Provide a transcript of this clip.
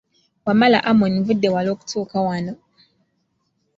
Wamala Amon nvudde wala okutuuka wano.